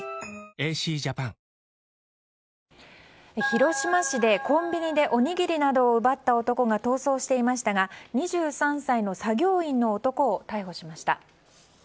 広島市でコンビニでおにぎりなどを奪った男が逃走していましたが２３歳の作業員の男を逮捕しました。